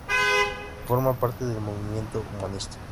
Forma parte del Movimiento Humanista.